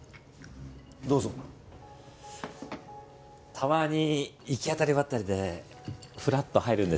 たまに行き当たりばったりでフラッと入るんですよ。